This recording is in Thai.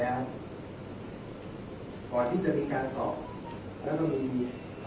อ่าอันนี้ผมผมตอบแต่งด้วยกันนะครับตัวคือว่าเรียนพูดเลย